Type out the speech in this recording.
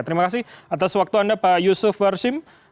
terima kasih atas waktu anda pak yusuf warsim